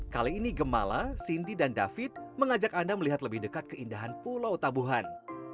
kali ini gemala cindy dan david mengajak anda melihat lebih dekat keindahan pulau tabuhan